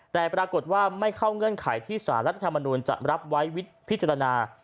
แต่ปรากฏว่าไม่เข้าเงื่อนไขที่สารรัฐธรรมนูลจะรับไว้พิจารณา